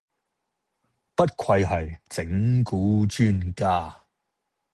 不愧係整蠱專家